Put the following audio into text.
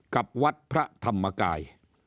กับวัดพระธรรมกาย